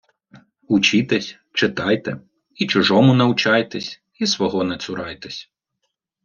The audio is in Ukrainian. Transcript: Учітесь, читайте, і чужому научайтесь, й свого не цурайтесь